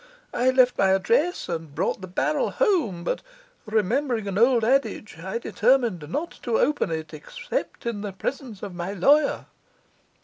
I left my address and brought the barrel home; but, remembering an old adage, I determined not to open it except in the presence of my lawyer.